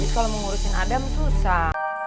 kalau mengurusin ada susah